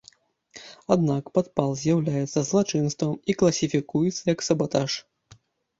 Аднак падпал з'яўляецца злачынствам і класіфікуецца як сабатаж.